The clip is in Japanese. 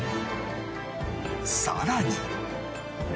さらに